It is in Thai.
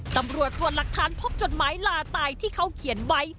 ตำรวจตรวจหลักฐานพบจดหมายลาตายที่เขาเขียนไว้